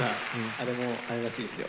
あれもあれらしいですよ